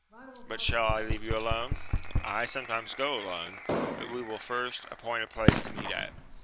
— But shall I leave you alone ?— I sometimes go alone ; but we will first appoint a place to meet at.